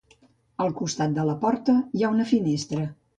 Al costat de la porta hi ha una finestra.